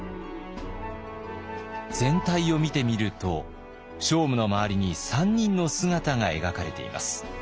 全体を見てみると聖武の周りに３人の姿が描かれています。